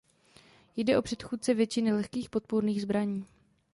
Jde o předchůdce většiny lehkých podpůrných zbraní.